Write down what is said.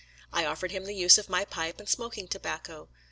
I offered him the use of my pipe and smoking tobacco.